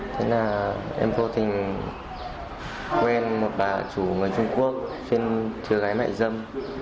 thế là em vô tình quen một bà chủ người trung quốc trên thưa gái mại dâm